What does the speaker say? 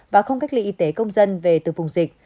và không cách ly y tế công dân về từ vùng dịch